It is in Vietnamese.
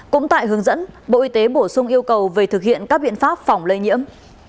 cũng tại hướng dẫn bộ y tế bổ sung yêu cầu về thực hiện các biện pháp phòng lây nhiễm